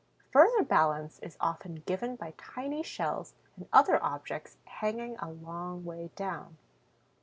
Further balance is often given by tiny shells and other objects hanging a long way down.